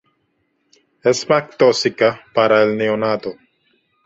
Es más tóxica para el neonato.